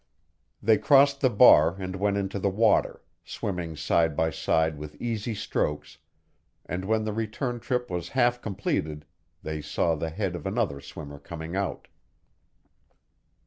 They crossed the bar and went into the water, swimming side by side with easy strokes, and when the return trip was half completed they saw the head of another swimmer coming out.